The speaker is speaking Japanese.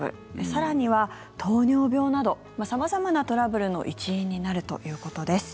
更には糖尿病など様々なトラブルの一因になるということです。